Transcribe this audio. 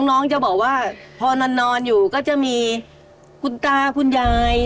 น้องจะบอกว่าพอนอนอยู่ก็จะมีคุณตาคุณยาย